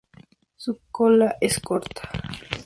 Su cola es corta.